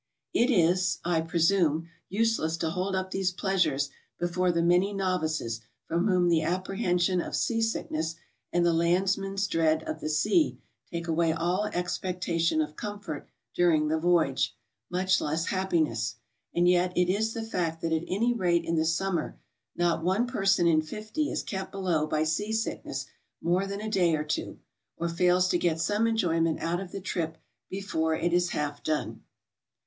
It is, I presume, useless to hold up these pleasures be fore the many novices from whom the apprehension of sea sickness and the landsman's dread of the sea take away all expectation of comfort during the voyage, much less hap piness, and yet it is the fact that at any rate in the summer not one person in fifty is kept below by sea sickness more than a day or two, or fails to get some enjoyment out of the trip before it is half done.